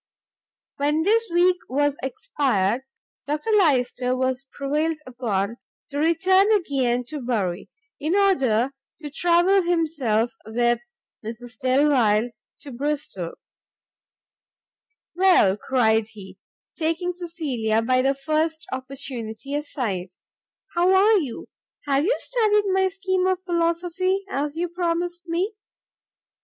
When this week was expired, Dr Lyster was prevailed upon to return again to Bury, in order to travel himself with Mrs Delvile to Bristol. "Well," cried he, taking Cecilia by the first opportunity aside, "how are you? Have you studied my scheme of philosophy, as you promised me?"